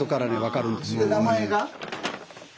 名前が？